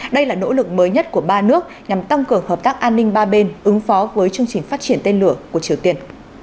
đây là nỗ lực mới nhất của ba nước nhằm tăng cường hợp tác an ninh ba bên ứng phó với chương trình phát triển tên lửa của triều tiên